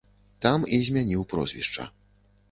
Там і змяніў прозвішча.